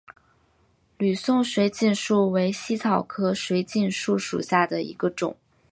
吕宋水锦树为茜草科水锦树属下的一个种。